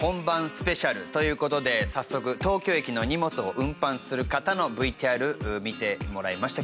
ＳＰという事で早速東京駅の荷物を運搬する方のＶＴＲ見てもらいましたけれども。